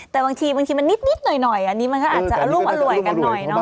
แต่บางทีมันนิดหน่อยอันนี้มันมันก็อาจจะระลุ่มอร่วยกันหน่อย